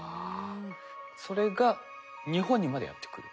それが日本にまでやって来る。